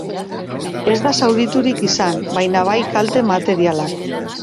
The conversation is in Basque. Ez da zauriturik izan, baina bai kalte materialak.